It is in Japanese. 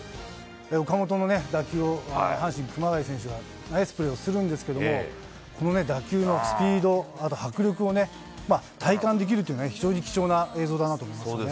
岡本の打球を、阪神、熊谷選手がナイスプレーをするんですけども、この打球が、スピード、あと迫力をね、体感できるというのは、非常に貴重な映像だなって思いますね。